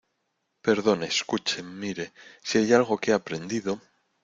perdone, escuche , mire , si hay algo que he aprendido